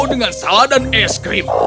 dengan saladan es krim